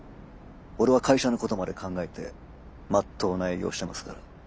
俺は会社のことまで考えてまっとうな営業をしてますから。